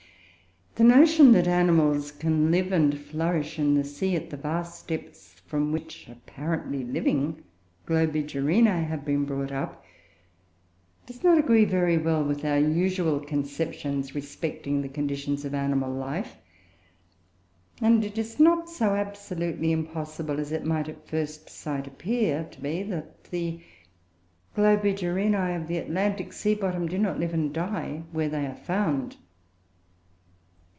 The notion that animals can live and flourish in the sea, at the vast depths from which apparently living Globigerinoe; have been brought up, does not agree very well with our usual conceptions respecting the conditions of animal life; and it is not so absolutely impossible as it might at first sight appear to be, that the Globigcrinoe of the Atlantic sea bottom do not live and die where they are found.